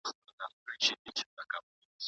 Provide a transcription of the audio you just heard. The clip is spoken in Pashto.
آیا ته به ماته د خپل نوي تجارت په اړه ووایې؟